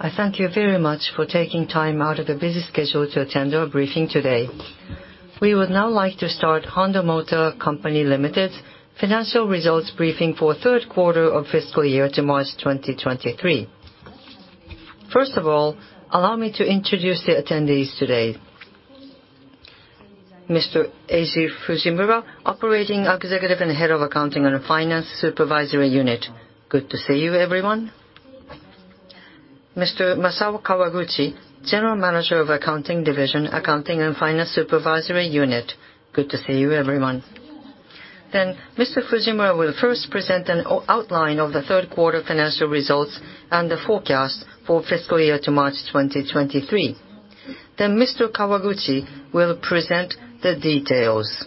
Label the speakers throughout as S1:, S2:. S1: I thank you very much for taking time out of your busy schedule to attend our briefing today. We would now like to start Honda Motor Co., Ltd. financial results briefing for third quarter of fiscal year to March 2023. First of all, allow me to introduce the attendees today. Mr. Eiji Fujimura, Operating Executive and Head of Accounting and Finance Supervisory Unit.
S2: Good to see you, everyone.
S1: Mr. Masao Kawaguchi, General Manager of Accounting Division, Accounting and Finance Supervisory Unit.
S3: Good to see you, everyone.
S1: Mr. Fujimura will first present an outline of the third quarter financial results and the forecast for fiscal year to March 2023. Mr. Kawaguchi will present the details.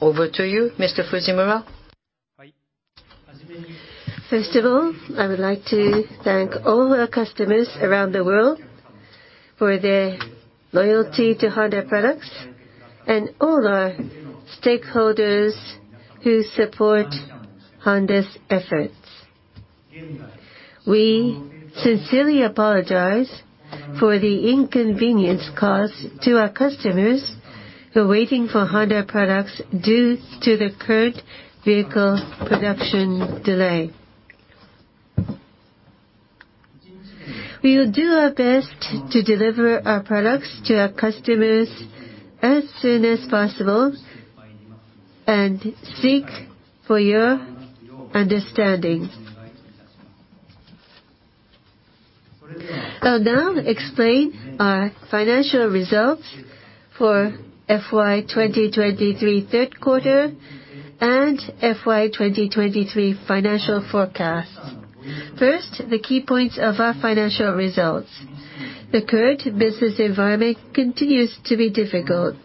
S1: Over to you, Mr. Fujimura.
S2: First of all, I would like to thank all our customers around the world for their loyalty to Honda products, and all our stakeholders who support Honda's efforts. We sincerely apologize for the inconvenience caused to our customers who are waiting for Honda products due to the current vehicle production delay. We will do our best to deliver our products to our customers as soon as possible and seek for your understanding. I'll now explain our financial results for FY2023 third quarter and FY2023 financial forecast. First, the key points of our financial results. The current business environment continues to be difficult.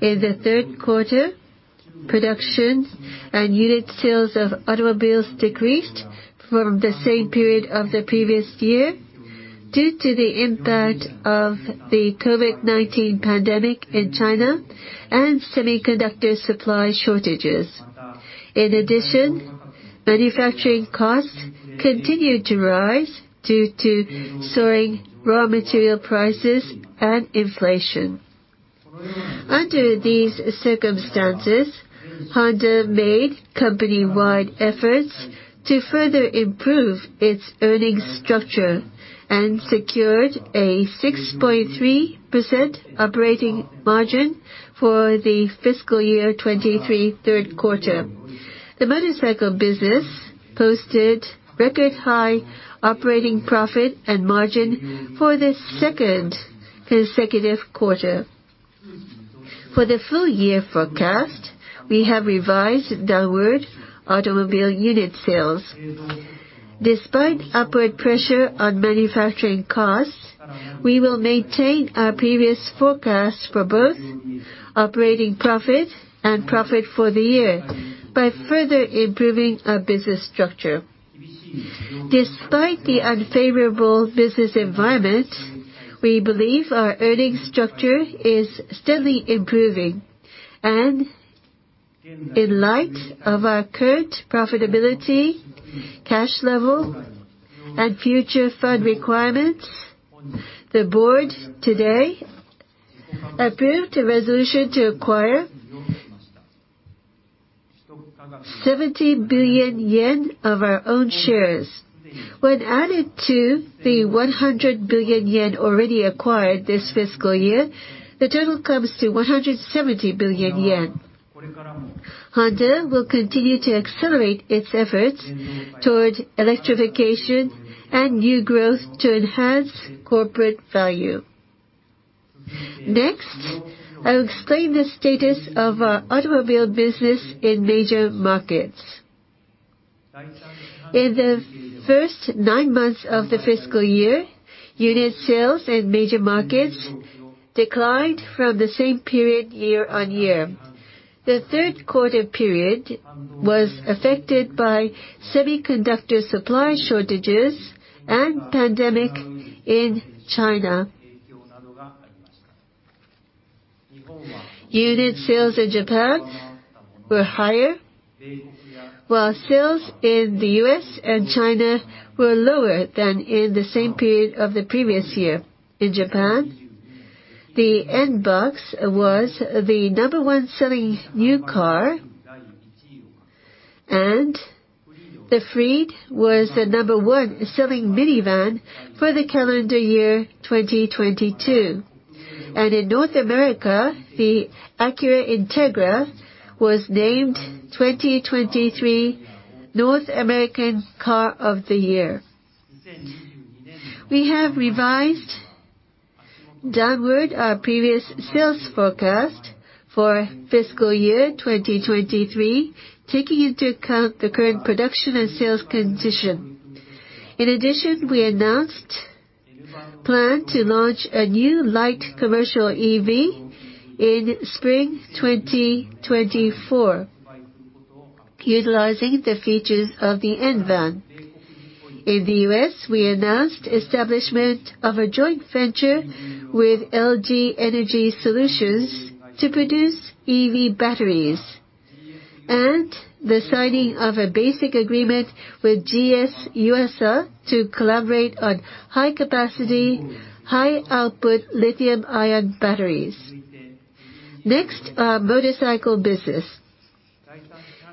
S2: In the third quarter, production and unit sales of automobiles decreased from the same period of the previous year due to the impact of the COVID-19 pandemic in China and semiconductor supply shortages. In addition, manufacturing costs continued to rise due to soaring raw material prices and inflation. Under these circumstances, Honda made company-wide efforts to further improve its earnings structure and secured a 6.3% operating margin for the fiscal year 2023 third quarter. The motorcycle business posted record high operating profit and margin for the second consecutive quarter. For the full year forecast, we have revised downward automobile unit sales. Despite upward pressure on manufacturing costs, we will maintain our previous forecast for both operating profit and profit for the year by further improving our business structure. Despite the unfavorable business environment, we believe our earnings structure is steadily improving. In light of our current profitability, cash level, and future fund requirements, the board today approved a resolution to acquire 70 billion yen of our own shares. When added to the 100 billion yen already acquired this fiscal year, the total comes to 170 billion yen. Honda will continue to accelerate its efforts toward electrification and new growth to enhance corporate value. Next, I'll explain the status of our automobile business in major markets. In the first nine months of the fiscal year, unit sales in major markets declined from the same period year-on-year. The third quarter period was affected by semiconductor supply shortages and pandemic in China. Unit sales in Japan were higher, while sales in the U.S. and China were lower than in the same period of the previous year. In Japan, the N-BOX was the number-one selling new car, and the FREED was the number-one selling minivan for the calendar year 2022. In North America, the Acura Integra was named 2023 North American Car of the Year. We have revised downward our previous sales forecast for fiscal year 2023, taking into account the current production and sales condition. In addition, we announced plan to launch a new light commercial EV in Spring 2024, utilizing the features of the N-VAN. In the U.S., we announced establishment of a joint venture with LG Energy Solution to produce EV batteries, and the signing of a basic agreement with GS Yuasa to collaborate on high-capacity, high-output lithium-ion batteries. Our motorcycle business.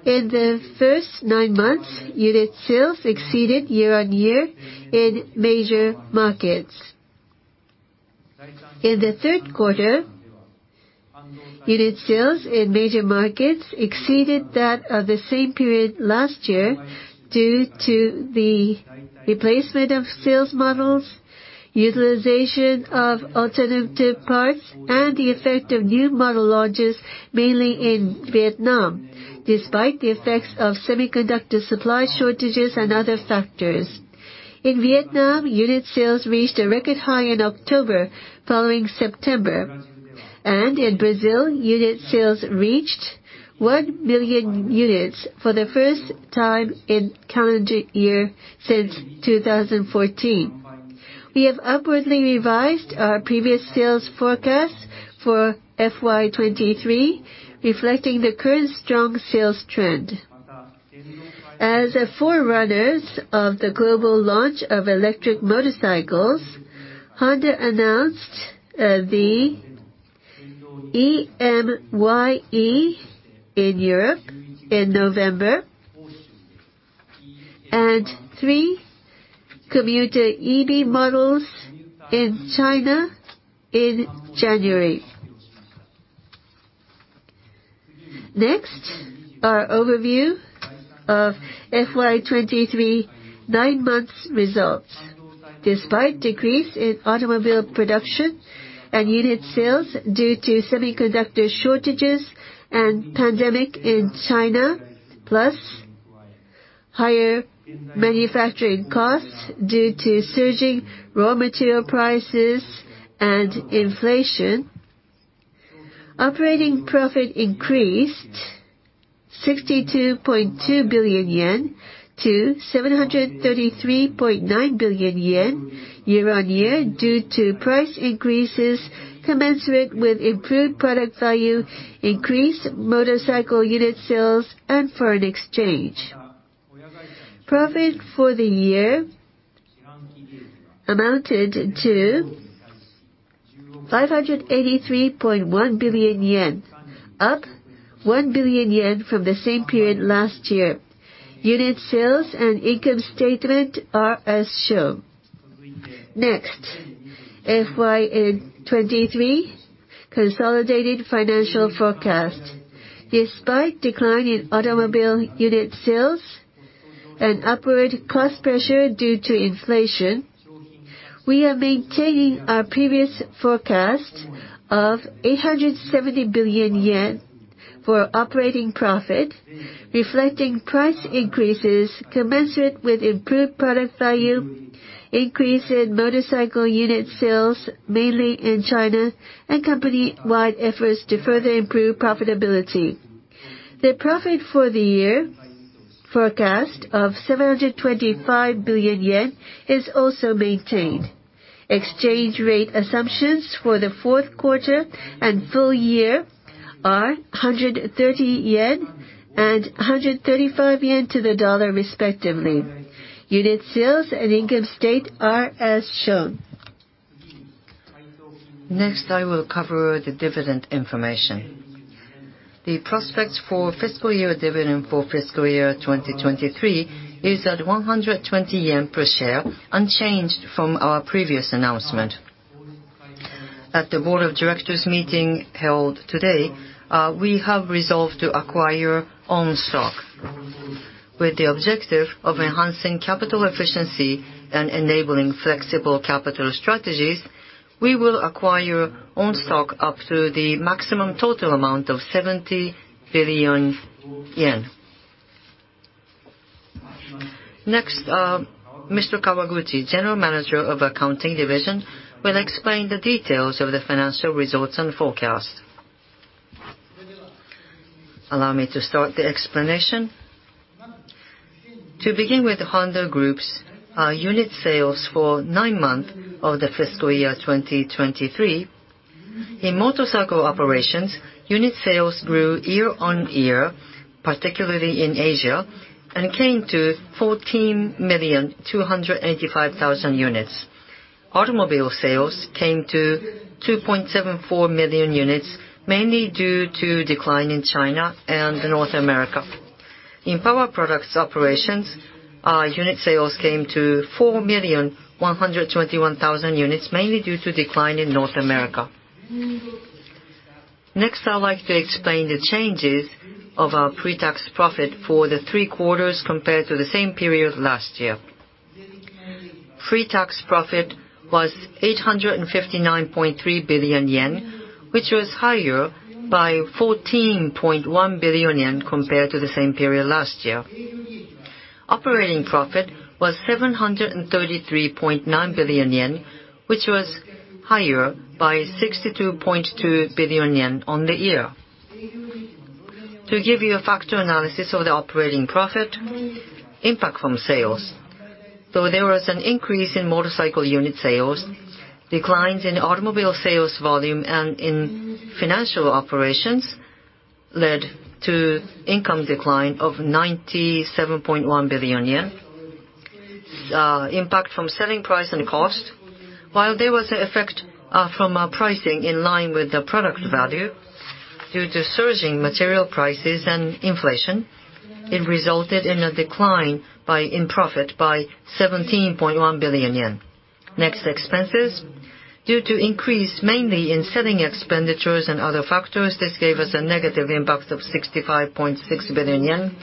S2: In the first nine months, unit sales exceeded year-on-year in major markets. In the third quarter, unit sales in major markets exceeded that of the same period last year due to the replacement of sales models, utilization of alternative parts, and the effect of new model launches, mainly in Vietnam, despite the effects of semiconductor supply shortages and other factors. In Vietnam, unit sales reached a record high in October following September. In Brazil, unit sales reached 1 million units for the first time in calendar year since 2014. We have upwardly revised our previous sales forecast for FY2023, reflecting the current strong sales trend. As a forerunners of the global launch of electric motorcycles, Honda announced the e:Ny1 in Europe in November, and three commuter EV models in China in January. Next, our overview of FY2023 nine months results. Despite decrease in automobile production and unit sales due to semiconductor shortages and pandemic in China, plus higher manufacturing costs due to surging raw material prices and inflation, operating profit increased 62.2 billion yen to 733.9 billion yen year-over-year due to price increases commensurate with improved product value, increased motorcycle unit sales, and foreign exchange. Profit for the year amounted to 583.1 billion yen, up 1 billion yen from the same period last year. Unit sales and income statement are as shown. Next, FY2023 consolidated financial forecast. Despite decline in automobile unit sales and upward cost pressure due to inflation, we are maintaining our previous forecast of 870 billion yen for operating profit, reflecting price increases commensurate with improved product value, increase in motorcycle unit sales mainly in China, and company-wide efforts to further improve profitability. The profit for the year forecast of 725 billion yen is also maintained. Exchange rate assumptions for the fourth quarter and full year are 130 yen and 135 yen to the dollar respectively. Unit sales and income state are as shown. Next, I will cover the dividend information. The prospects for fiscal year dividend for fiscal year 2023 is at 120 yen per share, unchanged from our previous announcement. At the Board of Directors meeting held today, we have resolved to acquire own stock. With the objective of enhancing capital efficiency and enabling flexible capital strategies, we will acquire own stock up to the maximum total amount of 70 billion yen. Next, Mr. Kawaguchi, General Manager of Accounting Division, will explain the details of the financial results and forecast.
S3: Allow me to start the explanation. To begin with, Honda Group's unit sales for nine month of the fiscal year 2023. In motorcycle operations, unit sales grew year-on-year, particularly in Asia, and came to 14,285,000 units. Automobile sales came to 2.74 million units, mainly due to decline in China and North America. In Power Products operations, unit sales came to 4,121,000 units, mainly due to decline in North America. I would like to explain the changes of our pretax profit for the three quarters compared to the same period last year. Pretax profit was 859.3 billion yen, which was higher by 14.1 billion yen compared to the same period last year. Operating profit was 733.9 billion yen, which was higher by 62.2 billion yen on the year. To give you a factor analysis of the operating profit impact from sales. Though there was an increase in motorcycle unit sales, declines in automobile sales volume and in financial operations led to income decline of 97.1 billion yen. Impact from selling price and cost, while there was an effect from a pricing in line with the product value due to surging material prices and inflation, it resulted in a decline in profit by 17.1 billion yen. Expenses. Due to increase mainly in selling expenditures and other factors, this gave us a negative impact of 65.6 billion yen.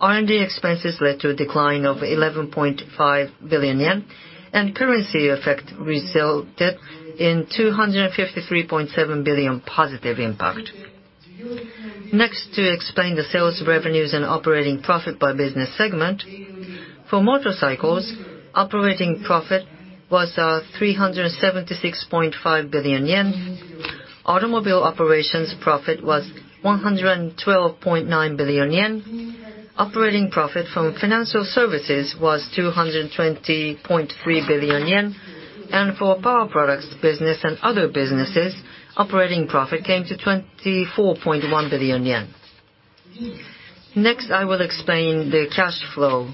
S3: R&D expenses led to a decline of 11.5 billion yen. Currency effect resulted in 253.7 billion positive impact. To explain the sales revenues and operating profit by business segment. For motorcycles, operating profit was 376.5 billion yen. Automobile operations profit was 112.9 billion yen. Operating profit from financial services was 220.3 billion yen. For Power Products business and other businesses, operating profit came to 24.1 billion yen. Next, I will explain the cash flow.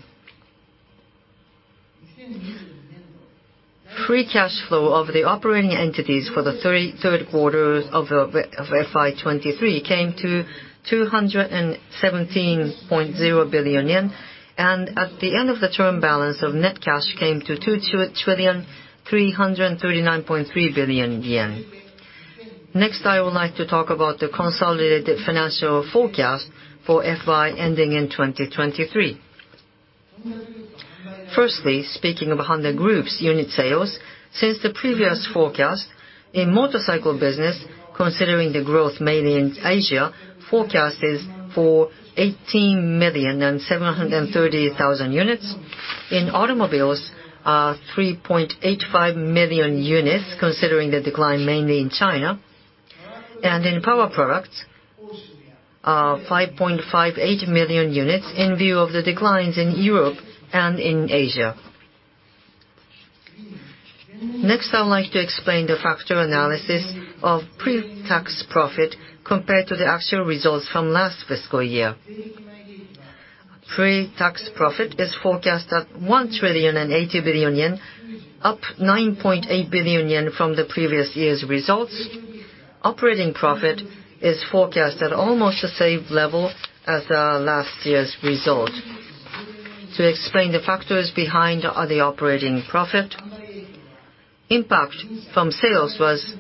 S3: Free cash flow of the operating entities for the third quarter of FY2023 came to 217.0 billion yen. At the end of the term, balance of net cash came to 2,339.3 billion yen. Next, I would like to talk about the consolidated financial forecast for FY ending in 2023. Firstly, speaking of Honda Group's unit sales, since the previous forecast in motorcycle business, considering the growth mainly in Asia, forecast is for 18,730,000 units. In automobiles, 3.85 million units, considering the decline mainly in China. In Power Products, 5.58 million units in view of the declines in Europe and in Asia. Next, I would like to explain the factor analysis of pre-tax profit compared to the actual results from last fiscal year. Pre-tax profit is forecast at 1,080 billion yen, up 9.8 billion yen from the previous year's results. Operating profit is forecast at almost the same level as last year's result. To explain the factors behind the operating profit, impact from sales was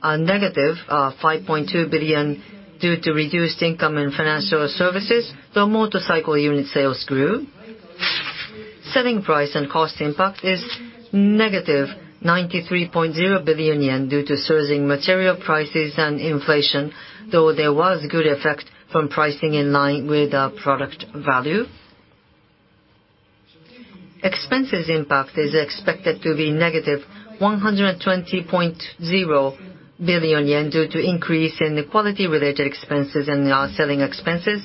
S3: a negative 5.2 billion due to reduced income in financial services, though motorcycle unit sales grew. Selling price and cost impact is negative 93.0 billion yen due to surging material prices and inflation, though there was good effect from pricing in line with product value. Expenses impact is expected to be negative 120.0 billion yen due to increase in the quality related expenses and selling expenses.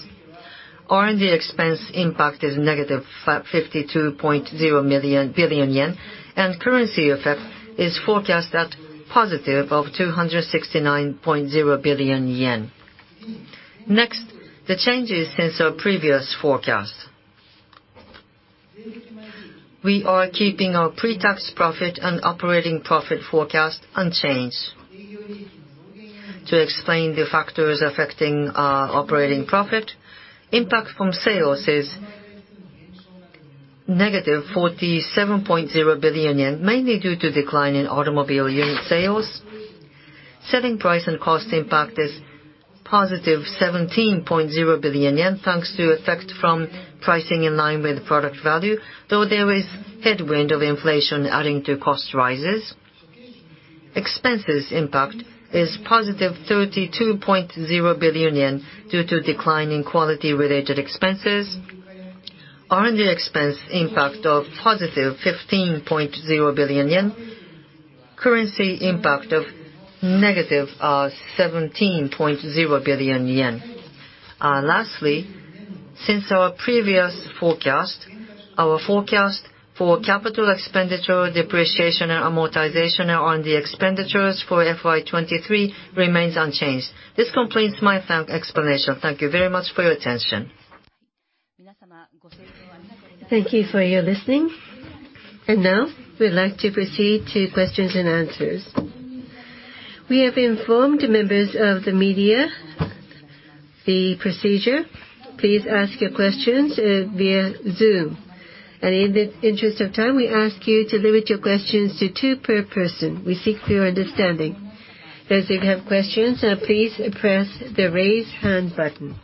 S3: R&D expense impact is negative 52.0 billion yen. Currency effect is forecast at positive 269.0 billion yen. Next, the changes since our previous forecast. We are keeping our pre-tax profit and operating profit forecast unchanged. To explain the factors affecting our operating profit, impact from sales is negative 47.0 billion yen, mainly due to decline in automobile unit sales. Selling price and cost impact is positive 17.0 billion yen, thanks to effect from pricing in line with product value, though there is headwind of inflation adding to cost rises. Expenses impact is positive 32.0 billion yen due to decline in quality related expenses. R&D expense impact of positive 15.0 billion yen. Currency impact of negative 17.0 billion yen. Lastly, since our previous forecast, our forecast for capital expenditure depreciation and amortization on the expenditures for FY2023 remains unchanged. This completes my explanation. Thank you very much for your attention.
S1: Thank you for your listening. Now we'd like to proceed to questions and answers. We have informed members of the media the procedure. Please ask your questions via Zoom. In the interest of time, we ask you to limit your questions to two per person. We seek your understanding. Those that have questions, please press the Raise Hand button.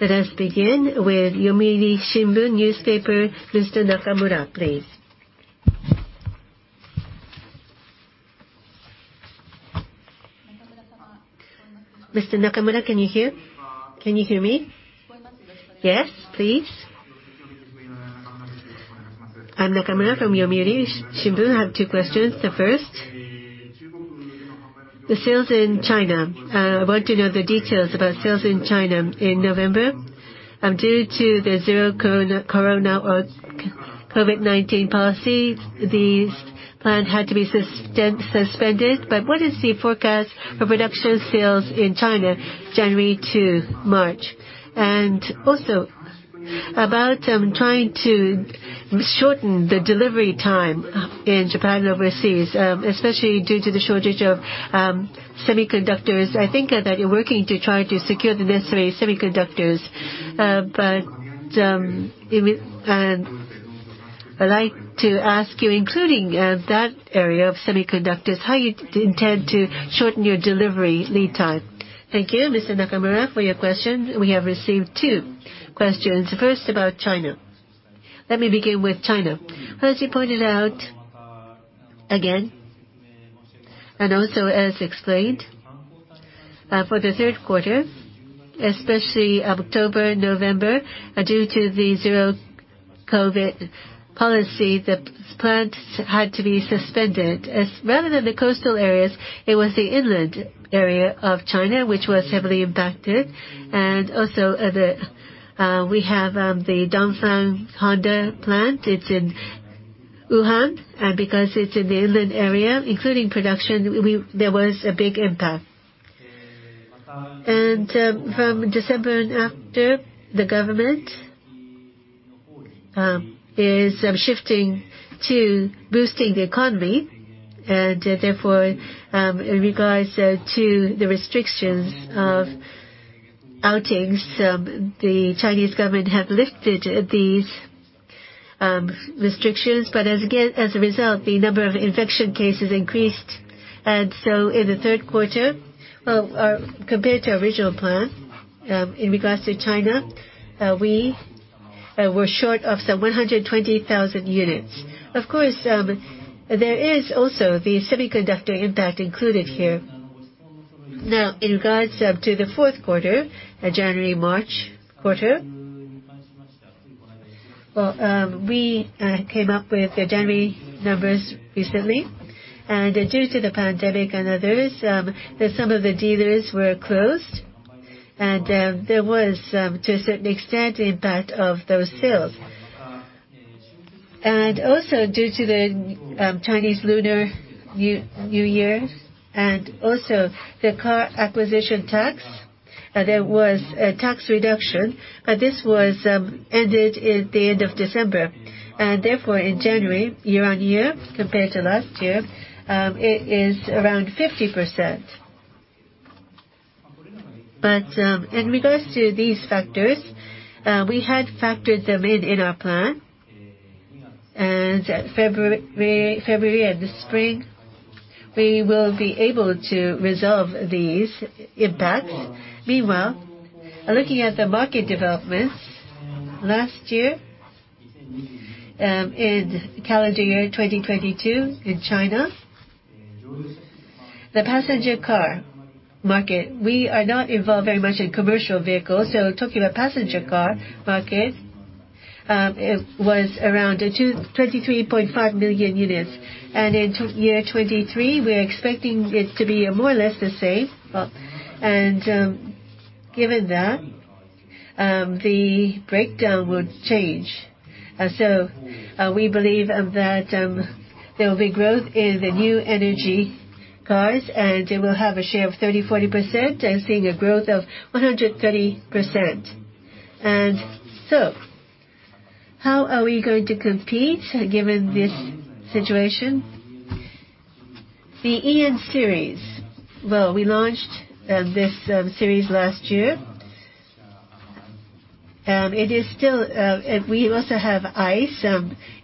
S1: Let us begin with Yomiuri Shimbun Newspaper, Mr. Nakamaru, please. Mr. Nakamaru, can you hear? Can you hear me?
S4: Yes, please. I'm Nakamaru from Yomiuri Shimbun. I have two questions. The first, the sales in China. I want to know the details about sales in China in November. Due to the zero COVID-19 policies, these plan had to be suspended. What is the forecast for production sales in China, January to March? Also about trying to shorten the delivery time in Japan overseas, especially due to the shortage of semiconductors. I think that you're working to try to secure the necessary semiconductors. I'd like to ask you, including that area of semiconductors, how you intend to shorten your delivery lead time?
S2: Thank you, Mr. Nakamaru, for your questions. We have received two questions. First, about China. Let me begin with China. As you pointed out again, and also as explained, for the third quarter, especially October, November, due to the zero-COVID policy, the plants had to be suspended. Rather than the coastal areas, it was the inland area of China which was heavily impacted. We have the Dongfeng Honda plant. It's in Wuhan. Because it's in the inland area, including production, there was a big impact. From December and after, the government is shifting to boosting the economy. In regards to the restrictions of outings, the Chinese government have lifted these restrictions. As again, as a result, the number of infection cases increased. In the third quarter, compared to original plan, in regards to China, we were short of some 120,000 units. Of course, there is also the semiconductor impact included here. Now, in regards to the fourth quarter, the January-March quarter, we came up with the January numbers recently. Due to the pandemic and others, some of the dealers were closed. There was, to a certain extent, impact of those sales. Also due to the Chinese Lunar New Year and also the car acquisition tax, there was a tax reduction. This was ended at the end of December. Therefore, in January, year-on-year, compared to last year, it is around 50%. In regards to these factors, we had factored them in in our plan. February and the spring, we will be able to resolve these impacts. Meanwhile, looking at the market developments last year, in calendar year 2022 in China, the passenger car market, we are not involved very much in commercial vehicles, so talking about passenger car market, it was around 23.5 million units. In year 2023, we're expecting it to be more or less the same. Given that, the breakdown would change. We believe that there will be growth in the new energy vehicles, and it will have a share of 30%-40%, and seeing a growth of 130%. How are we going to compete given this situation? The e:N Series, well, we launched this series last year. It is still, we also have ICE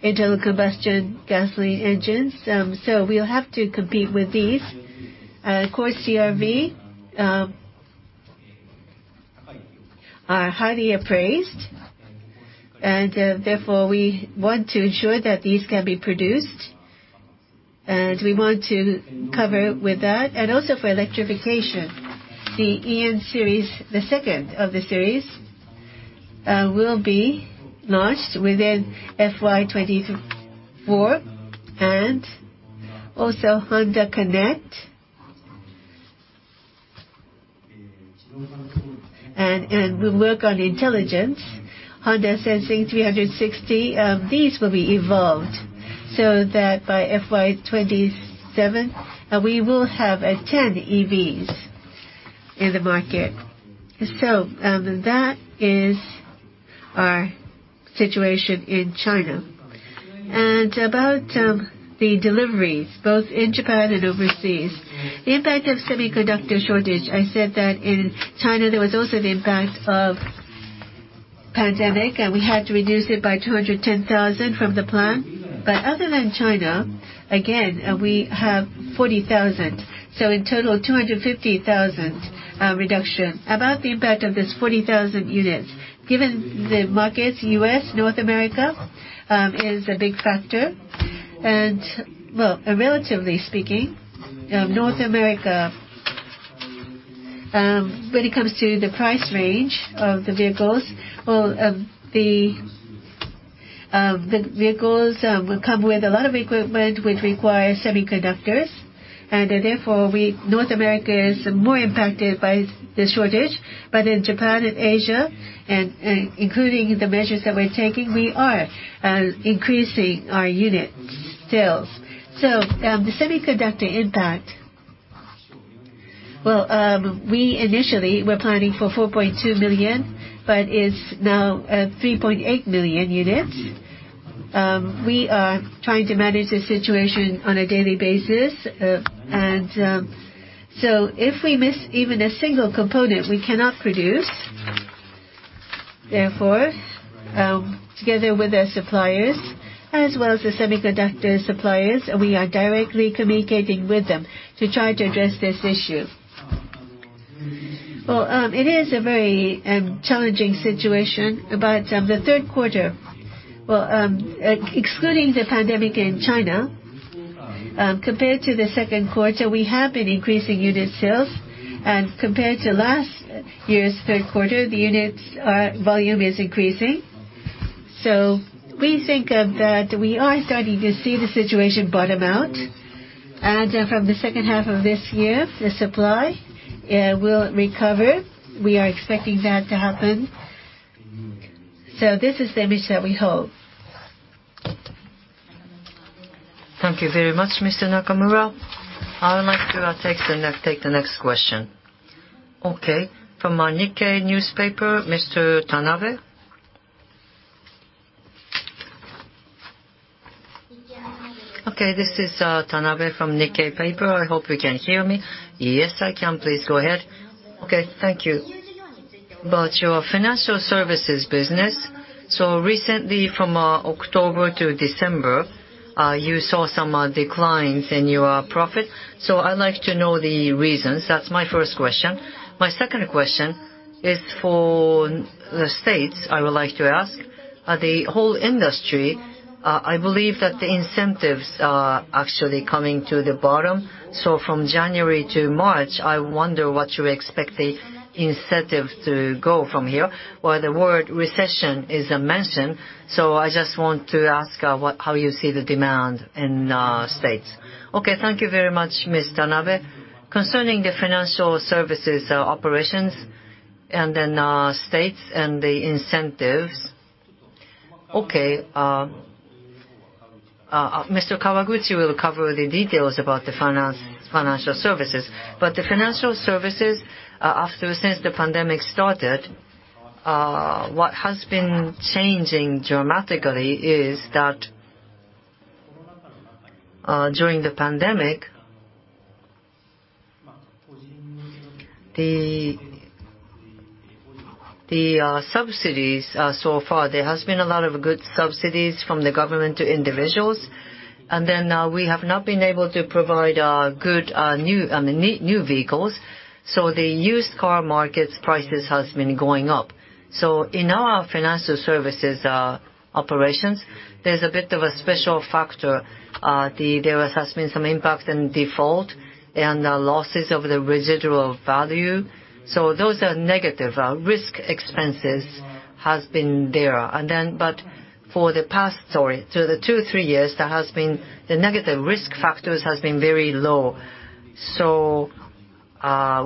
S2: internal combustion gasoline engines. We'll have to compete with these. Of course, CR-V are highly appraised, and therefore, we want to ensure that these can be produced. We want to cover with that. Also for electrification, the e:N Series, the second of the series, will be launched within FY 2024. Also Honda CONNECT. We work on intelligence, Honda SENSING 360, these will be evolved so that by FY2027, we will have 10 EVs in the market. That is our situation in China. About the deliveries, both in Japan and overseas. The impact of semiconductor shortage, I said that in China, there was also the impact of pandemic, we had to reduce it by 210,000 from the plan. Other than China, again, we have 40,000. In total, 250,000 reduction. About the impact of this 40,000 units, given the markets, U.S., North America, is a big factor. Well, relatively speaking, North America, when it comes to the price range of the vehicles, well, the vehicles come with a lot of equipment which require semiconductors, therefore North America is more impacted by the shortage. In Japan and Asia, and including the measures that we're taking, we are increasing our unit sales. The semiconductor impact, well, we initially were planning for 4.2 million, but it's now 3.8 million units. We are trying to manage the situation on a daily basis. If we miss even a single component, we cannot produce. Therefore, together with our suppliers as well as the semiconductor suppliers, we are directly communicating with them to try to address this issue. Well, it is a very challenging situation. The third quarter, well, excluding the pandemic in China, compared to the second quarter, we have been increasing unit sales. Compared to last year's third quarter, the units volume is increasing. We think of that we are starting to see the situation bottom out. From the second half of this year, the supply will recover. We are expecting that to happen. This is the image that we hold.
S1: Thank you very much, Mr. Nakamaru. I would like to take the next question. Okay. From Nikkei newspaper, Mr. Tanabe.
S5: Okay, this is Tanabe from Nikkei paper. I hope you can hear me.
S1: Yes, I can. Please go ahead.
S5: Okay. Thank you. About your financial services business, recently from October to December, you saw some declines in your profit. I'd like to know the reasons. That's my first question. My second question is for the States, I would like to ask. The whole industry, I believe that the incentives are actually coming to the bottom. From January to March, I wonder what you expect the incentive to go from here. Well, the word recession is mentioned, so I just want to ask how you see the demand in the States.
S2: Thank you very much, Mr. Tanabe. Concerning the financial services operations and States and the incentives. Mr. Kawaguchi will cover the details about the financial services. The financial services after, since the pandemic started, what has been changing dramatically is that during the pandemic, the subsidies so far, there has been a lot of good subsidies from the government to individuals. We have not been able to provide good new vehicles. The used car market prices has been going up. In our financial services operations, there's a bit of a special factor. There has been some impact in default and losses of the residual value. Those are negative. Risk expenses has been there. For the past two to three years, there has been the negative risk factors has been very low.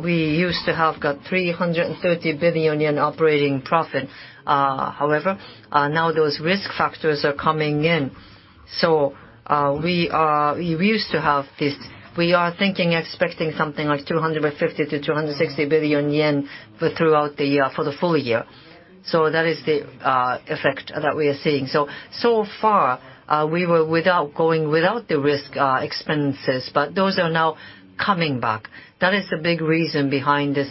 S2: We used to have got 330 billion yen operating profit. However, now those risk factors are coming in, we used to have this. We are thinking, expecting something like 250 billion-260 billion yen for the full year. That is the effect that we are seeing. So far, we were without going without the risk expenses, but those are now coming back. That is the big reason behind this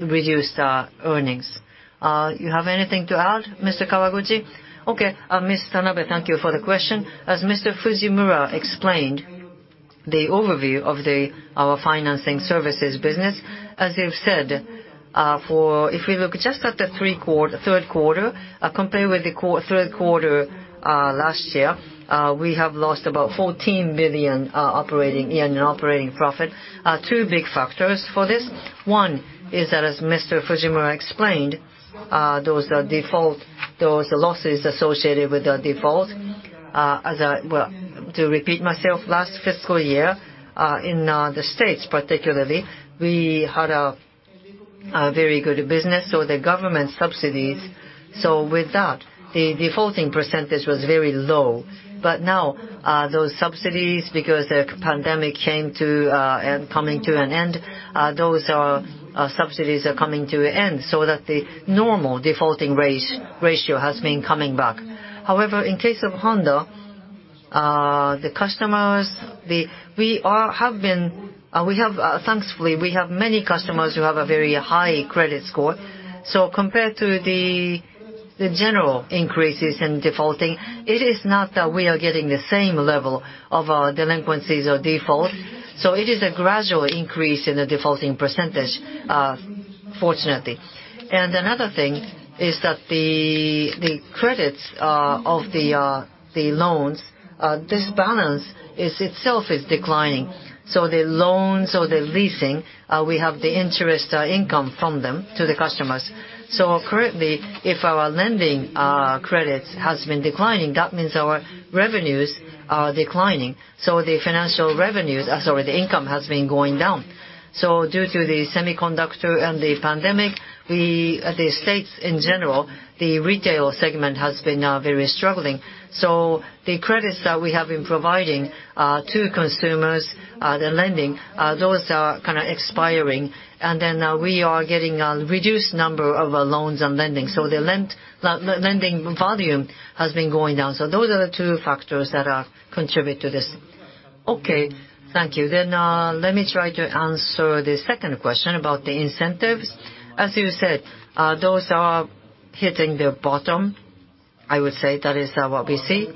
S2: reduced earnings. You have anything to add, Mr. Kawaguchi?
S3: Okay. Mr. Tanabe, thank you for the question. As Mr. Fujimura explained the overview of our financing services business. As you've said, if we look just at the third quarter, compared with the third quarter last year, we have lost about 14 billion yen in operating profit. Two big factors for this. One is that, as Mr. Fujimura explained, those losses associated with the default. Well, to repeat myself, last fiscal year, in the States particularly, we had a very good business, so the government subsidies. With that, the defaulting percentage was very low. Now, those subsidies, because the pandemic came to and coming to an end, those subsidies are coming to an end so that the normal defaulting rate, ratio has been coming back. However, in case of Honda, the customers, we have, thankfully, many customers who have a very high credit score. Compared to the general increases in defaulting, it is not that we are getting the same level of delinquencies or defaults. It is a gradual increase in the defaulting percentage. Fortunately. Another thing is that the credits of the loans, this balance is itself is declining. The loans or the leasing, we have the interest income from them to the customers. Currently, if our lending credits has been declining, that means our revenues are declining. The financial revenues, or sorry, the income has been going down. Due to the semiconductor and the pandemic, the States in general, the retail segment has been very struggling. The credits that we have been providing to consumers, the lending, those are kind of expiring. Then, we are getting a reduced number of loans and lending. The lending volume has been going down. Those are the two factors that contribute to this. Okay. Thank you. Let me try to answer the second question about the incentives. As you said, those are hitting the bottom, I would say that is what we see.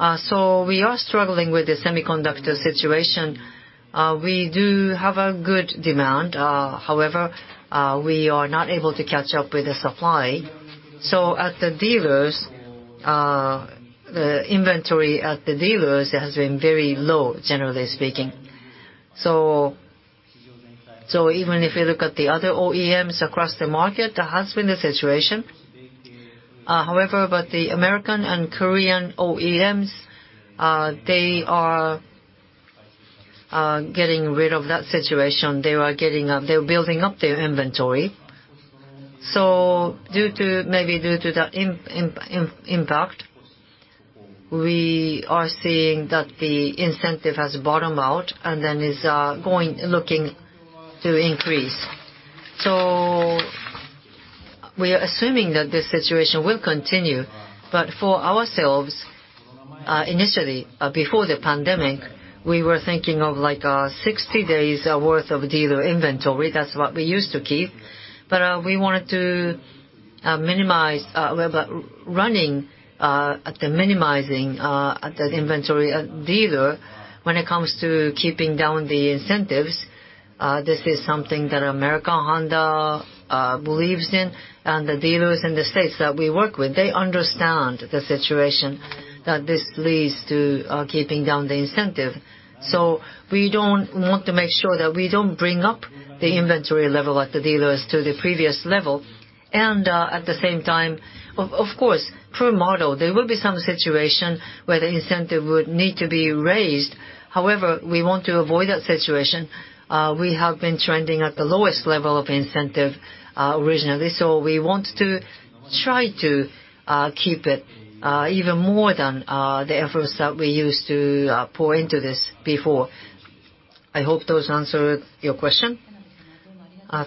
S3: We are struggling with the semiconductor situation. We do have a good demand, however, we are not able to catch up with the supply. At the dealers, the inventory at the dealers has been very low, generally speaking. Even if you look at the other OEMs across the market, there has been a situation. However, the American and Korean OEMs, they are getting rid of that situation. They are building up their inventory. Due to, maybe due to the impact, we are seeing that the incentive has bottomed out and then is going, looking to increase. We are assuming that this situation will continue. For ourselves, initially, before the pandemic, we were thinking of like 60 days worth of dealer inventory. That's what we used to keep. We wanted to minimize at the inventory dealer when it comes to keeping down the incentives. This is something that America Honda believes in. The dealers in the States that we work with, they understand the situation that this leads to, keeping down the incentive. We don't want to make sure that we don't bring up the inventory level at the dealers to the previous level. At the same time, of course, per model, there will be some situation where the incentive would need to be raised. However, we want to avoid that situation. We have been trending at the lowest level of incentive, originally. We want to try to keep it even more than the efforts that we used to pour into this before. I hope those answer your question.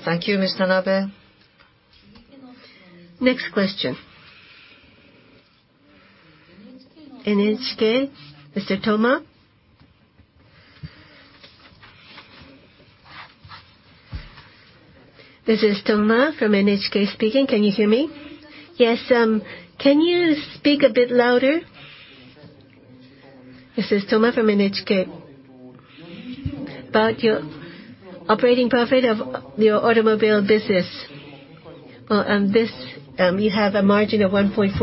S1: Thank you, Miss Tanabe. Next question. NHK, Mr. Toma?
S6: This is Toma from NHK speaking. Can you hear me?
S1: Yes, can you speak a bit louder?
S6: This is Toma from NHK. About your operating profit of your automobile business. On this, you have a margin of 1.4%,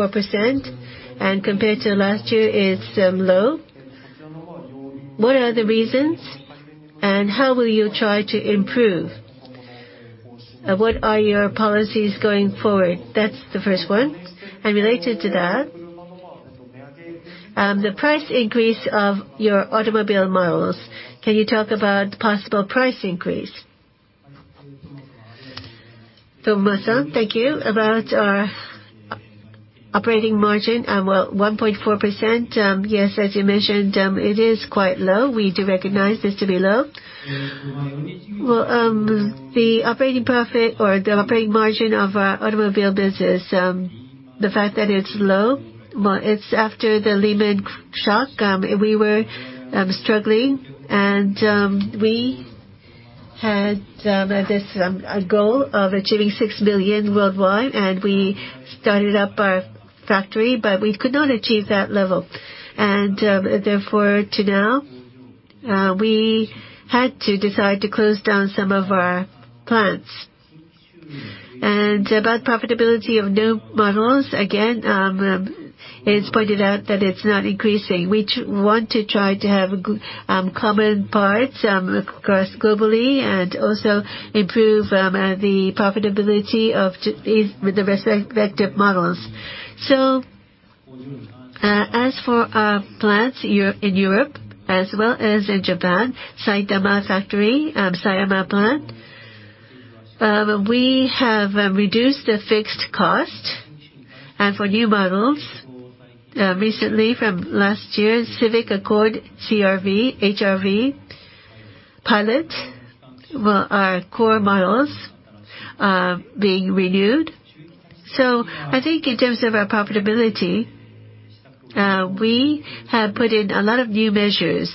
S6: and compared to last year it's low. What are the reasons, and how will you try to improve? What are your policies going forward? That's the first one. Related to that, the price increase of your automobile models, can you talk about possible price increase?
S2: Toma-san, thank you. About our operating margin at, well, 1.4%, yes, as you mentioned, it is quite low. We do recognize this to be low. Well, the operating profit or the operating margin of our automobile business, the fact that it's low, well, it's after the Lehman shock, we were struggling. We had this goal of achieving 6 million worldwide, and we started up our factory, but we could not achieve that level. Therefore, to now, we had to decide to close down some of our plants. About profitability of new models, again, it's pointed out that it's not increasing. We want to try to have common parts across globally, and also improve the profitability of these, with the respective models.
S3: As for our plants in Europe as well as in Japan, Saitama factory, Sayama plant, we have reduced the fixed cost. For new models, recently from last year, Civic, Accord, CR-V, HR-V, Pilot, well, are core models being renewed. I think in terms of our profitability, we have put in a lot of new measures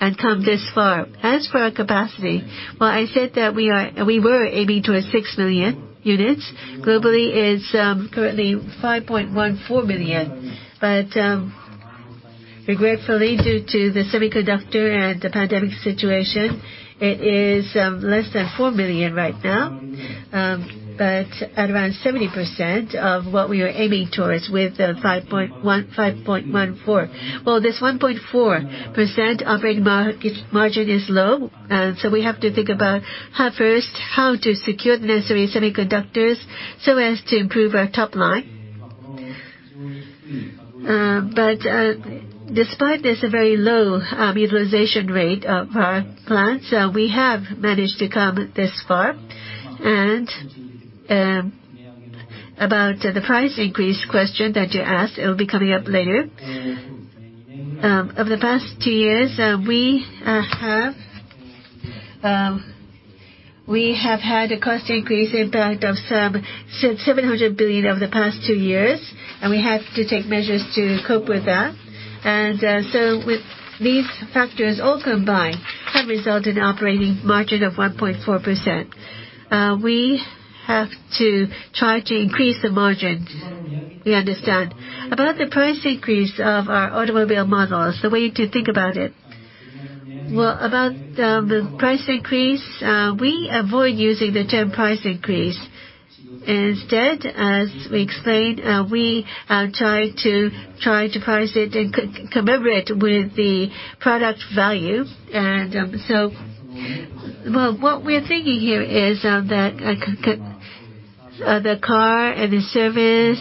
S3: and come this far. As for our capacity, well, I said that we were aiming to a 6 million units. Globally is currently 5.14 million.
S2: Regretfully, due to the semiconductor and the pandemic situation, it is less than 4 million right now. At around 70% of what we were aiming towards with the 5.14 million units. Well, this 1.4% operating margin is low, we have to think about how first, how to secure the necessary semiconductors so as to improve our top line. Despite this very low utilization rate of our plants, we have managed to come this far. About the price increase question that you asked, it'll be coming up later. Over the past two years, we have had a cost increase impact of some 700 billion over the past two years, we have to take measures to cope with that. So with these factors all combined have resulted in operating margin of 1.4%. We have to try to increase the margins. We understand. About the price increase of our automobile models, the way to think about it. Well, about the price increase, we avoid using the term price increase. Instead, as we explained, we try to price it and commemorate with the product value. Well, what we're thinking here is that the car and the service,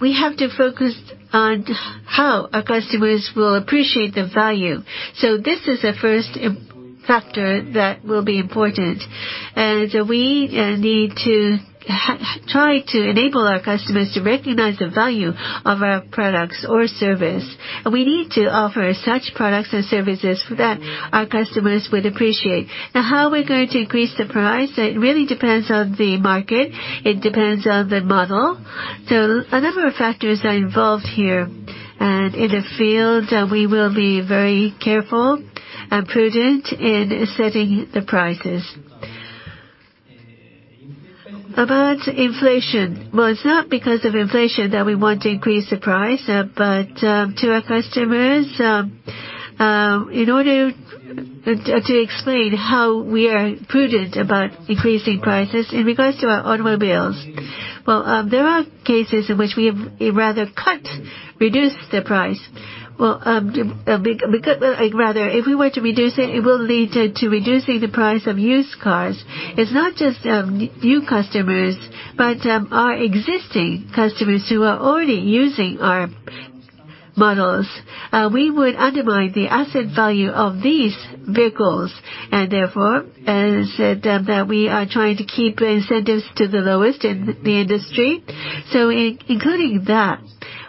S2: We have to focus on how our customers will appreciate the value. So this is the first factor that will be important. We need to try to enable our customers to recognize the value of our products or service. We need to offer such products and services that our customers would appreciate. How we're going to increase the price, it really depends on the market. It depends on the model. A number of factors are involved here. In the field, we will be very careful and prudent in setting the prices. About inflation. Well, it's not because of inflation that we want to increase the price. But, to our customers, in order to explain how we are prudent about increasing prices in regards to our automobiles, well, there are cases in which we have rather cut, reduced the price. Well, because, like rather, if we were to reduce it will lead to reducing the price of used cars. It's not just new customers, but our existing customers who are already using our models. We would undermine the asset value of these vehicles and therefore, as I said, that we are trying to keep incentives to the lowest in the industry. Including that,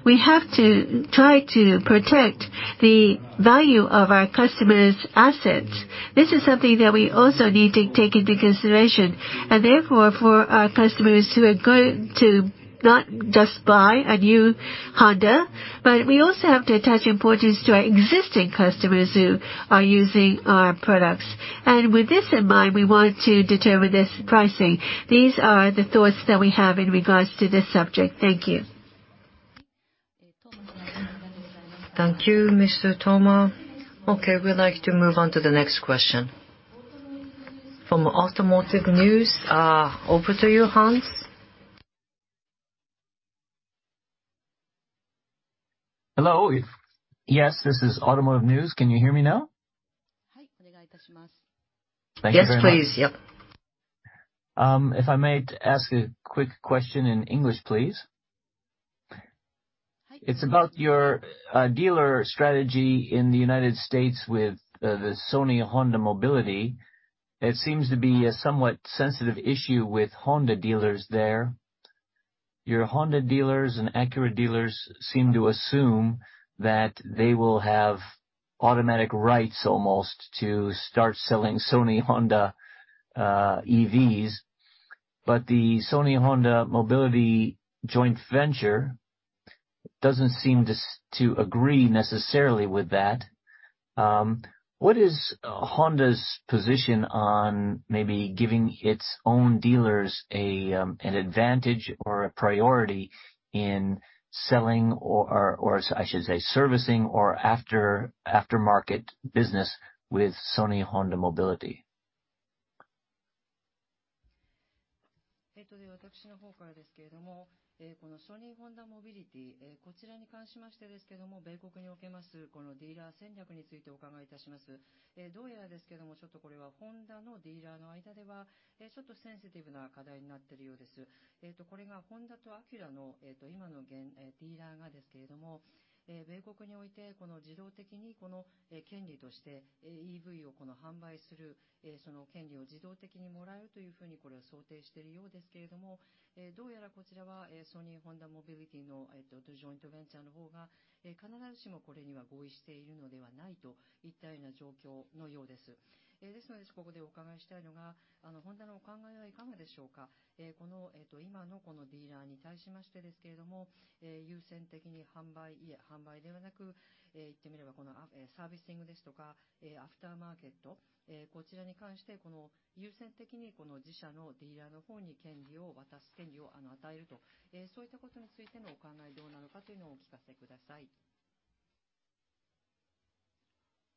S2: we have to try to protect the value of our customers' assets. This is something that we also need to take into consideration. Therefore, for our customers who are going to not just buy a new Honda, but we also have to attach importance to our existing customers who are using our products. With this in mind, we want to determine this pricing. These are the thoughts that we have in regards to this subject.
S6: Thank you.
S1: Thank you, Mr. Toma. Okay, we'd like to move on to the next question. From Automotive News, over to you, Hans.
S7: Hello. Yes, this is Automotive News. Can you hear me now?
S1: Yes, please. Yep.
S7: If I may ask a quick question in English, please. It's about your dealer strategy in the United States with the Sony Honda Mobility. It seems to be a somewhat sensitive issue with Honda dealers there. Your Honda dealers and Acura dealers seem to assume that they will have automatic rights almost to start selling Sony Honda EVs. The Sony Honda Mobility joint venture doesn't seem to agree necessarily with that. What is Honda's position on maybe giving its own dealers an advantage or a priority in selling or, I should say, servicing or aftermarket business with Sony Honda Mobility?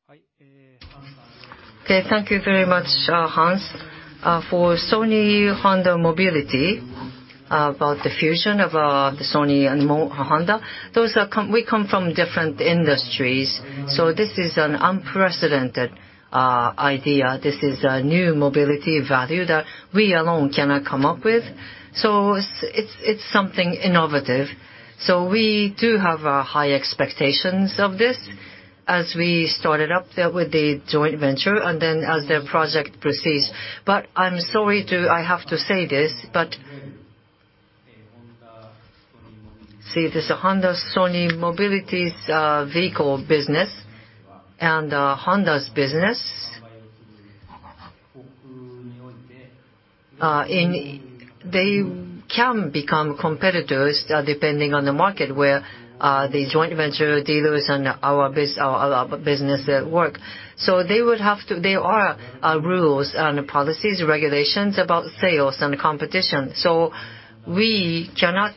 S3: Thank you very much, Hans. For Sony Honda Mobility, about the fusion of the Sony and Honda, those are we come from different industries. This is an unprecedented idea. This is a new mobility value that we alone cannot come up with. It's something innovative. We do have high expectations of this as we started up the, with the joint venture and then as the project proceeds. I have to say this, but, see, this Sony Honda Mobility's vehicle business and Honda's business, they can become competitors, depending on the market where the joint venture dealers and our business work. They would have to... There are rules and policies, regulations about sales and competition, so we cannot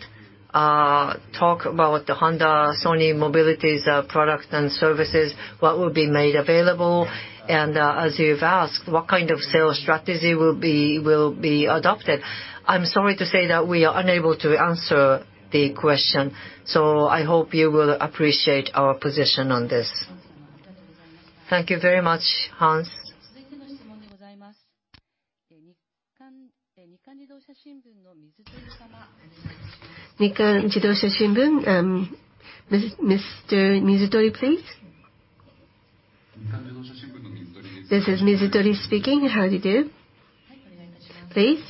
S3: talk about the Honda Sony Mobility's products and services, what will be made available and as you've asked, what kind of sales strategy will be adopted. I'm sorry to say that we are unable to answer the question, so I hope you will appreciate our position on this.
S1: Thank you very much, Hans. Mr. Mizutori, please.
S8: This is Mizutori speaking. How do you do?
S1: Please.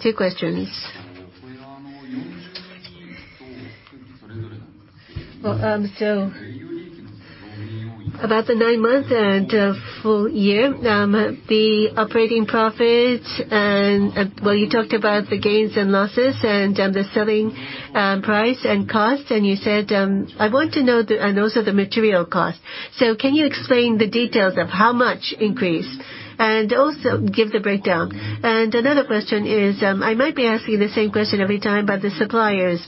S8: Two questions. Well, about the nine-month and full year, the operating profit and, well, you talked about the gains and losses and the selling price and cost, and you said, I want to know the, and also the material cost. Can you explain the details of how much increase and also give the breakdown? Another question is, I might be asking the same question every time, but the suppliers,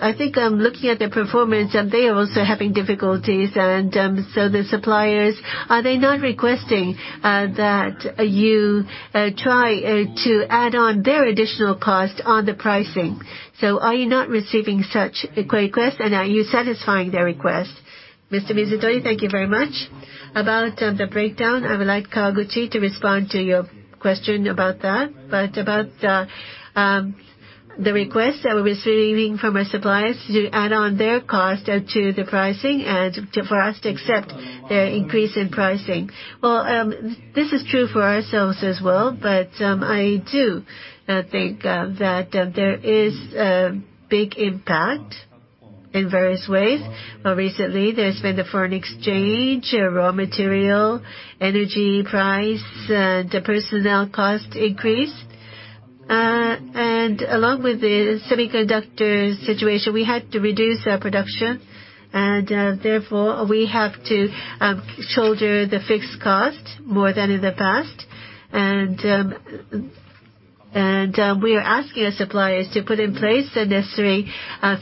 S8: I think I'm looking at their performance and they are also having difficulties. The suppliers, are they not requesting that you try to add on their additional cost on the pricing? Are you not receiving such a request, and are you satisfying their request?
S2: Mr. Mizutori, thank you very much. About the breakdown, I would like Kawaguchi to respond to your question about that. About the request that we're receiving from our suppliers to add on their cost to the pricing and to, for us to accept their increase in pricing. This is true for ourselves as well, I do think that there is a big impact in various ways. Recently there's been the foreign exchange, raw material, energy price, the personnel cost increase. Along with the semiconductor situation, we had to reduce our production and therefore, we have to shoulder the fixed cost more than in the past. We are asking our suppliers to put in place the necessary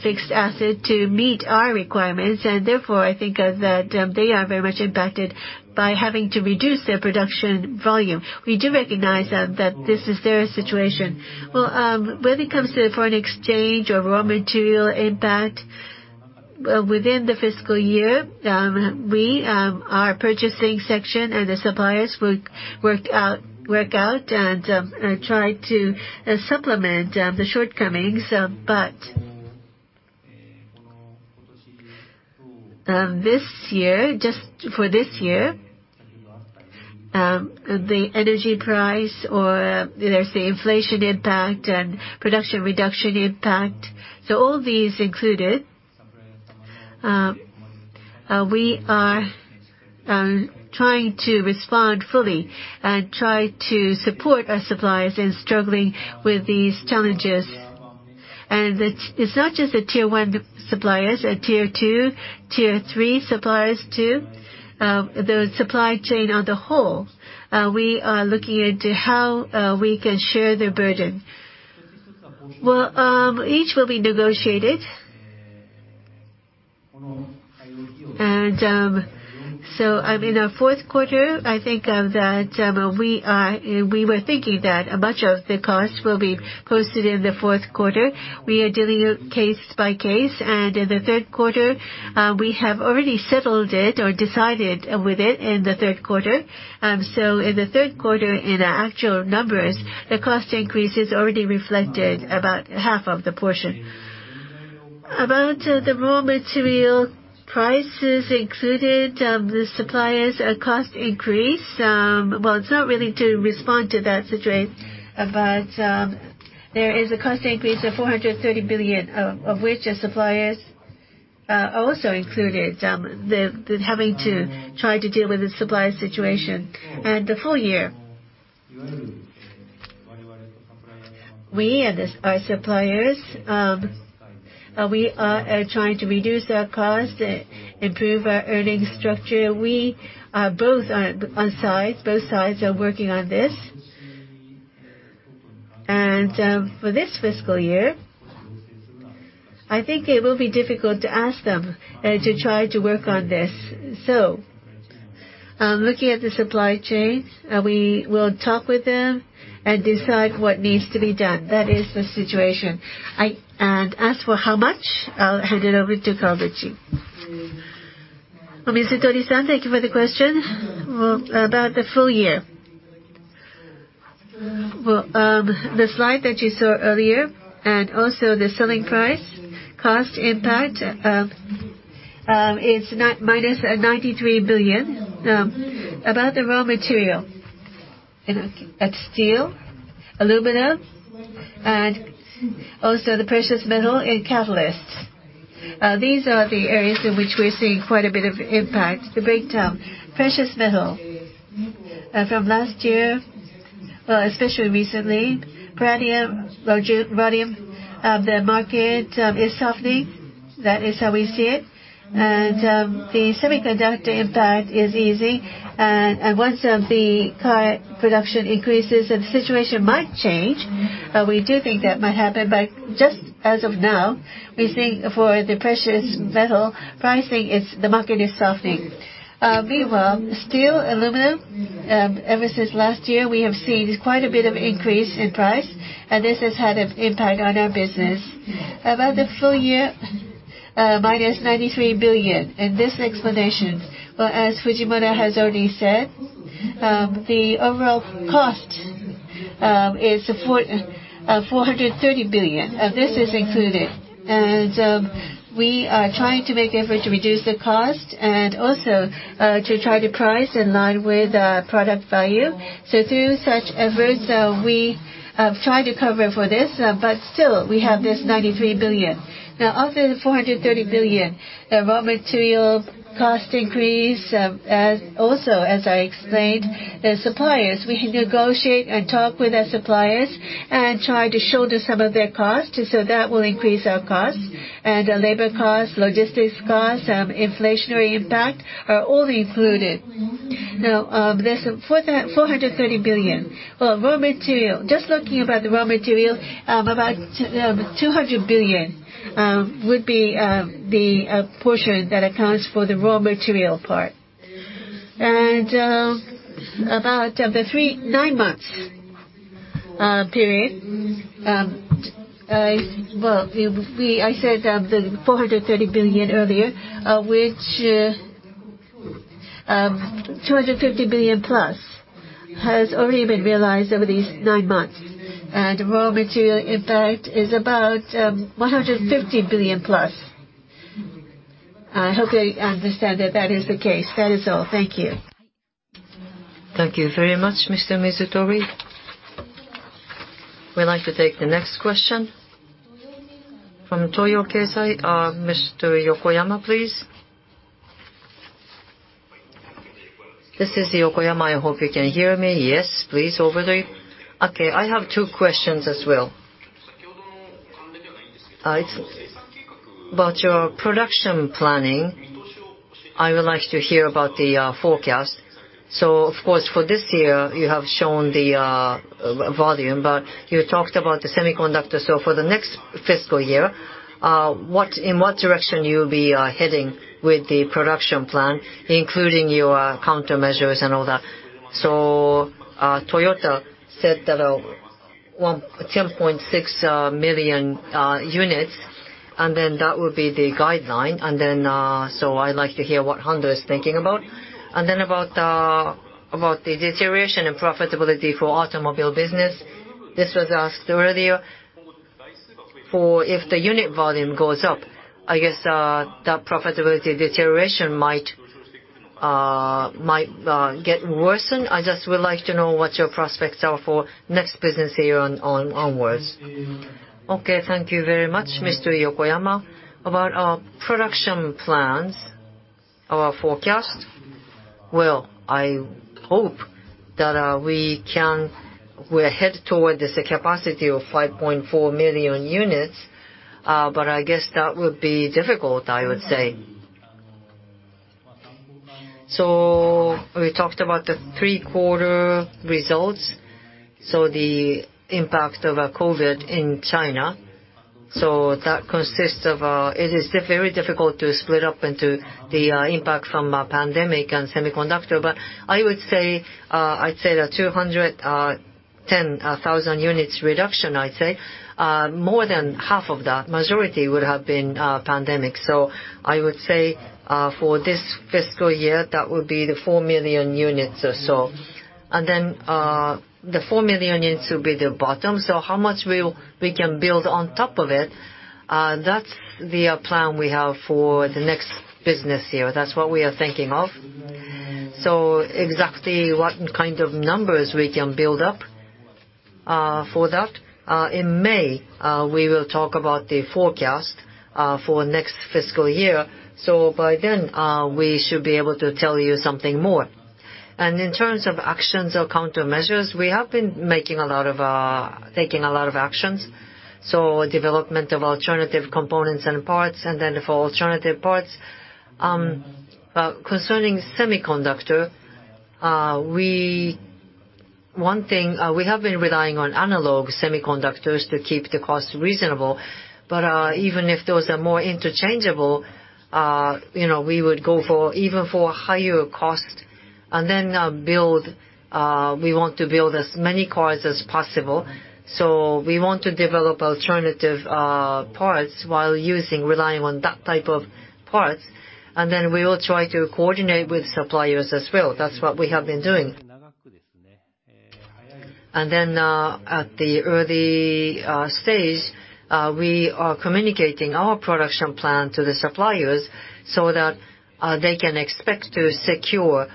S2: fixed asset to meet our requirements. I think that they are very much impacted by having to reduce their production volume. We do recognize that this is their situation. When it comes to foreign exchange or raw material impact, within the fiscal year, we, our purchasing section and the suppliers work out and try to supplement the shortcomings. This year, just for this year, the energy price or let's say inflation impact and production reduction impact, so all these included, we are trying to respond fully and try to support our suppliers in struggling with these challenges. It's not just the tier one suppliers. Tier two, tier three suppliers too. The supply chain on the whole, we are looking into how we can share the burden. Each will be negotiated. I mean, our fourth quarter, I think, that we were thinking that much of the cost will be posted in the fourth quarter. We are dealing case by case. In the third quarter, we have already settled it or decided with it in the third quarter. In the third quarter, in our actual numbers, the cost increase is already reflected about half of the portion. About the raw material prices included the suppliers cost increase, well, it's not really to respond to that situation, but there is a cost increase of 430 billion, of which the suppliers also included having to try to deal with the supplier situation. The full year We and our suppliers, we are trying to reduce our cost, improve our earnings structure. We both are on sides, both sides are working on this. For this fiscal year, I think it will be difficult to ask them to try to work on this. Looking at the supply chain, we will talk with them and decide what needs to be done. That is the situation. As for how much, I'll hand it over to Kawaguchi.
S3: Mizutori-san, thank you for the question. Well, about the full year. Well, the slide that you saw earlier, and also the selling price, cost impact, is -93 billion. About the raw material, you know, at steel, aluminum, and also the precious metal and catalysts. These are the areas in which we're seeing quite a bit of impact. To break down, precious metal. From last year, well, especially recently, platinum, rhodium, the market is softening. That is how we see it. The semiconductor impact is easy. Once the car production increases, the situation might change. We do think that might happen, but just as of now, we think for the precious metal pricing is the market is softening. Meanwhile, steel, aluminum, ever since last year, we have seen quite a bit of increase in price, and this has had an impact on our business. About the full year, -93 billion, and this explanation. Well, as Fujimura has already said, the overall cost is 430 billion. This is included. We are trying to make effort to reduce the cost and also to try to price in line with product value. Through such efforts, we try to cover for this, but still, we have this -93 billion. Of the 430 billion, the raw material cost increase, as I explained, the suppliers, we negotiate and talk with our suppliers and try to shoulder some of their costs, so that will increase our costs. Labor costs, logistics costs, inflationary impact are all included. There's 430 billion. Raw material, just looking about the raw material, 200 billion would be portion that accounts for the raw material part. About the three, nine months period, I said 430 billion earlier, which 250 billion+ has already been realized over these nine months. Raw material impact is about 150 billion+. I hope you understand that that is the case. That is all.
S8: Thank you.
S1: Thank you very much, Mr. Mizutori. We'd like to take the next question from Toyo Keizai, Mr. Yokoyama, please.
S9: This is Yokoyama. I hope you can hear me. Yes, please overlay. Okay. I have two questions as well. It's about your production planning. I would like to hear about the forecast. Of course, for this year, you have shown the volume, but you talked about the semiconductor. For the next fiscal year, what, in what direction you'll be heading with the production plan, including your countermeasures and all that. Toyota said that, well, 10.6 million units, and then that would be the guideline. I'd like to hear what Honda is thinking about. About the deterioration in profitability for automobile business. This was asked earlier. If the unit volume goes up, I guess, that profitability deterioration might get worsened. I just would like to know what your prospects are for next business year onwards.
S2: Thank you very much, Mr. Yokoyama. About our production plans, our forecast, well, I hope that we can, we're headed toward the capacity of 5.4 million units. I guess that would be difficult, I would say. We talked about the three quarter results. The impact of COVID in China. That consists of, it is very difficult to split up into the impact from pandemic and semiconductor. I would say, I'd say that 210,000 units reduction, I'd say, more than half of that, majority would have been pandemic. I would say, for this fiscal year, that would be the 4 million units or so. The 4 million units will be the bottom. How much will we can build on top of it? That's the plan we have for the next business year. That's what we are thinking of. Exactly what kind of numbers we can build up for that in May, we will talk about the forecast for next fiscal year. By then, we should be able to tell you something more. In terms of actions or countermeasures, we have been making a lot of, taking a lot of actions. Development of alternative components and parts, and then for alternative parts. Concerning semiconductor, we... One thing, we have been relying on analog semiconductors to keep the cost reasonable. Even if those are more interchangeable, you know, we would go for, even for higher cost, and then, we want to build as many cars as possible. We want to develop alternative parts while relying on that type of parts. We will try to coordinate with suppliers as well. That's what we have been doing. At the early stage, we are communicating our production plan to the suppliers so that they can expect to secure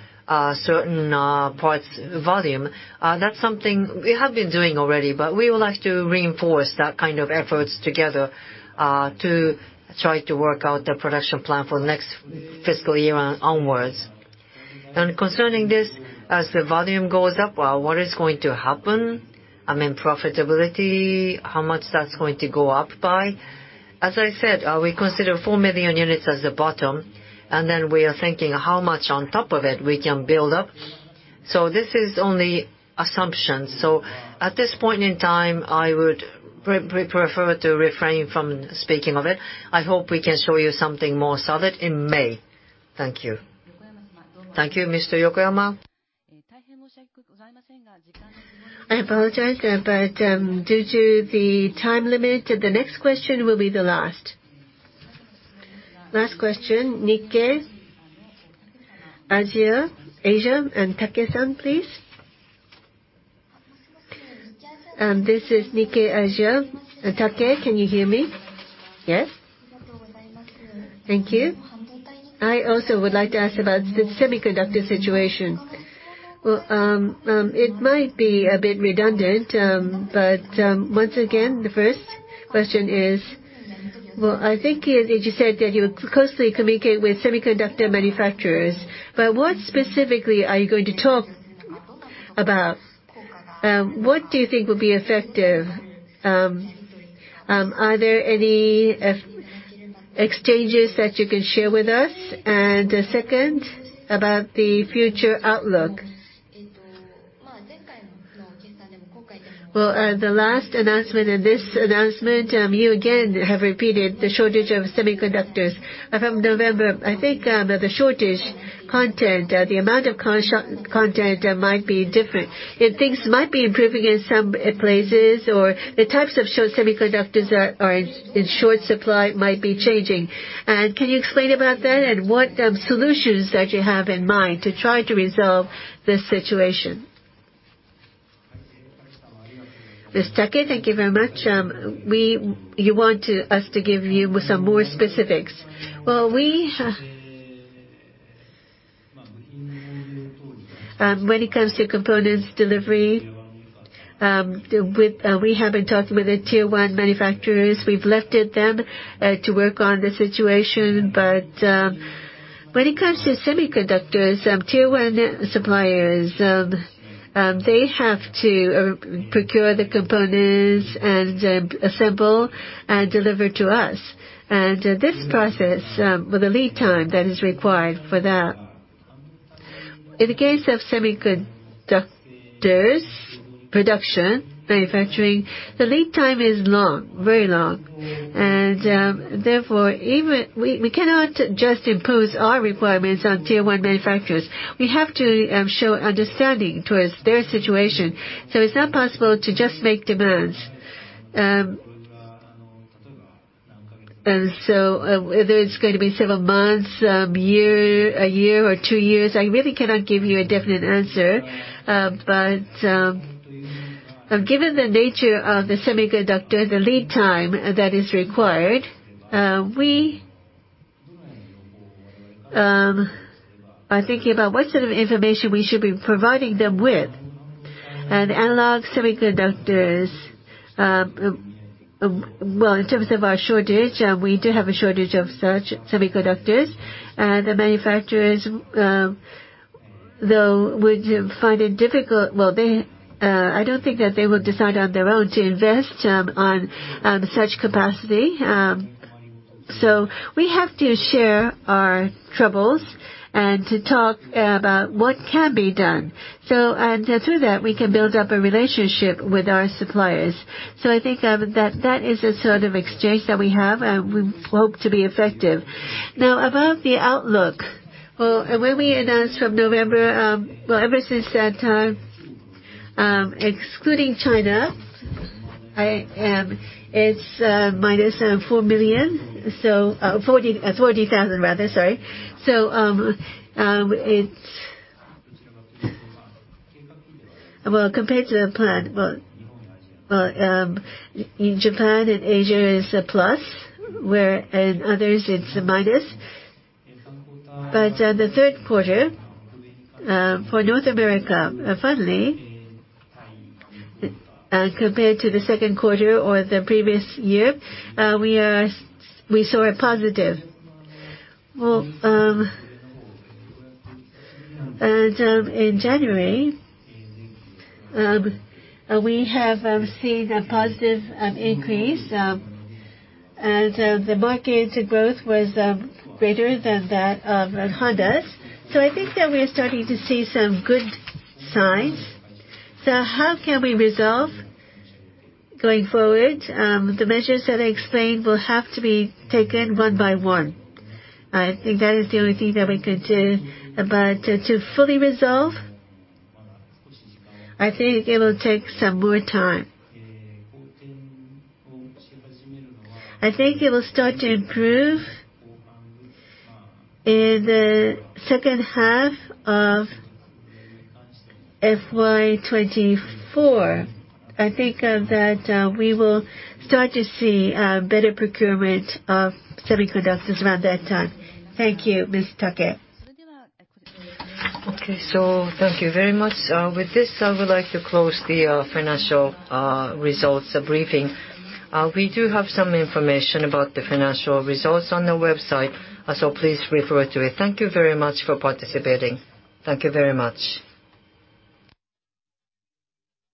S2: certain parts volume. That's something we have been doing already, but we would like to reinforce that kind of efforts together to try to work out the production plan for next fiscal year onwards. Concerning this, as the volume goes up, well, what is going to happen? I mean, profitability, how much that's going to go up by? As I said, we consider 4 million units as the bottom, and then we are thinking how much on top of it we can build up. This is only assumption. At this point in time, I would prefer to refrain from speaking of it. I hope we can show you something more solid in May.
S9: Thank you.
S1: Thank you, Mr. Yokoyama. I apologize, but due to the time limit, the next question will be the last. Last question, Nikkei Asia, and Take-san, please.
S10: This is Nikkei Asia. Take, can you hear me? Yes. Thank you. I also would like to ask about the semiconductor situation. Well, it might be a bit redundant, but once again, the first question is., well, I think you just said that you closely communicate with semiconductor manufacturers. What specifically are you going to talk about? What do you think will be effective? Are there any exchanges that you can share with us? Second, about the future outlook. Well, the last announcement and this announcement, you again have repeated the shortage of semiconductors. From November, I think, the shortage content, the amount of content might be different. If things might be improving in some places, or the types of short-semiconductors that are in short supply might be changing. Can you explain about that and what solutions that you have in mind to try to resolve this situation? Mr. Take, thank you very much. You want us to give you some more specifics. Well, we... When it comes to components delivery, with, we have been talking with the tier one manufacturers. We've left it them to work on the situation. When it comes to semiconductors, tier one suppliers, they have to procure the components and assemble and deliver to us.
S2: This process, with the lead time that is required for that, in the case of semiconductors production, manufacturing, the lead time is long, very long. Therefore, we cannot just impose our requirements on Tier one manufacturers. We have to show understanding towards their situation. It's not possible to just make demands. Whether it's going to be several months, year, a year or two years, I really cannot give you a definite answer. Given the nature of the semiconductor, the lead time that is required, we are thinking about what sort of information we should be providing them with. Analog semiconductors, well, in terms of our shortage, we do have a shortage of such semiconductors. The manufacturers, though would find it difficult. Well, they, I don't think that they will decide on their own to invest on such capacity. We have to share our troubles and to talk about what can be done. Through that, we can build up a relationship with our suppliers. I think that is the sort of exchange that we have, and we hope to be effective. Now, about the outlook. Well, when we announced from November, ever since that time, excluding China, it's -40,000 rather, sorry. Well, compared to the plan, in Japan and Asia is a plus, where in others it's a minus. The third quarter for North America, finally, compared to the second quarter or the previous year, we saw a positive. Well, in January, we have seen a positive increase. The market growth was greater than that of Honda's. I think that we are starting to see some good signs. How can we resolve going forward? The measures that I explained will have to be taken one by one. I think that is the only thing that we can do. To fully resolve, I think it will take some more time. I think it will start to improve in the second half of FY2024. I think that we will start to see better procurement of semiconductors around that time. Thank you, Mr. Take.
S1: Okay. Thank you very much. With this, I would like to close the financial results briefing. We do have some information about the financial results on the website, please refer to it. Thank you very much for participating. Thank you very much.